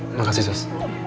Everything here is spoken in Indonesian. iya terima kasih sus